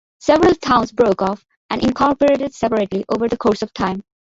Several towns broke off and incorporated separately over the course of time.